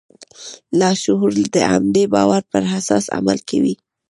لاشعور د همدې باور پر اساس عمل کوي.